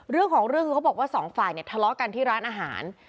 เรื่องของเรื่องคือเขาบอกว่าสองฝ่ายเนี่ยทะเลาะกันที่ร้านอาหาร